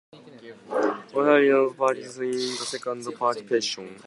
Austria did not participate in the Second Partition.